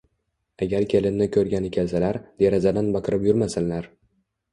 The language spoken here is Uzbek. Agar kelinni ko`rgani kelsalar, derazadan baqirib yurmasinlar